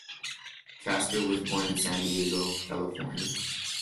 Casper was born in San Diego, California.